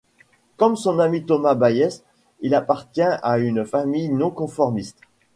Comme son ami Thomas Bayes, il appartient à une famille non-conformiste.